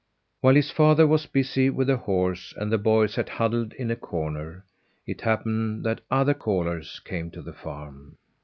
While his father was busy with the horse and the boy sat huddled in a corner, it happened that other callers came to the farm.